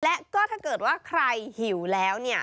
และก็ถ้าเกิดว่าใครหิวแล้วเนี่ย